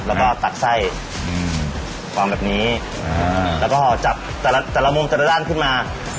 แล้วก็ตัดไส้ฟองแบบนี้แล้วก็จับแต่ละแต่ละมุมแต่ละด้านขึ้นมา